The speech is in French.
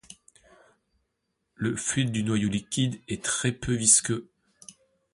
Le fluide du noyau liquide est très peu visqueux.